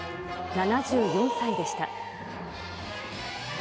７４歳でした。